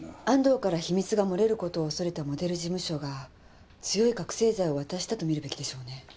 安藤から秘密が漏れることを恐れたモデル事務所が強い覚せい剤を渡したとみるべきでしょうね。